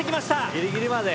ギリギリまで。